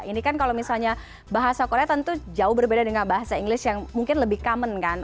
ini kan kalau misalnya bahasa korea tentu jauh berbeda dengan bahasa inggris yang mungkin lebih common kan